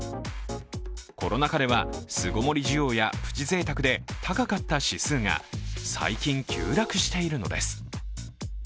コロナ禍では、巣ごもり需要やプチぜいたくで高かった指数が最近急落しているのです。